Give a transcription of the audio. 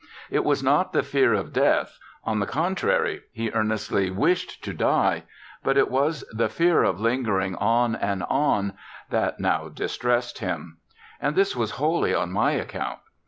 It was not the fear of death, on the contrary, he earnestly wished to die, but it was the fear of lingering on and on, that now distressed him; and this was wholly on my account.